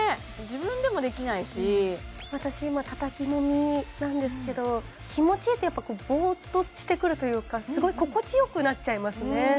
自分でもできないし私今たたきもみなんですけど気持ちいいとやっぱぼーっとしてくるというかすごい心地よくなっちゃいますね